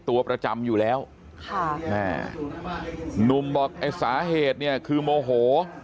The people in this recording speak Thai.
ตัวประจำอยู่แล้วค่ะแม่หนุ่มบอกไอ้สาเหตุเนี่ยคือโมโห